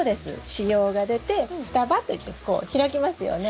子葉が出て双葉といってこう開きますよね？